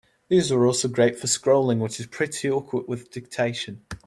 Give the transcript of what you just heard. These are also great for scrolling, which is pretty awkward with dictation.